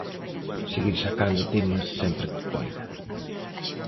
Seguir sacando temas sempre que poida.